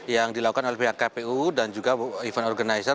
yang dilakukan oleh pihak kpu dan juga event organizer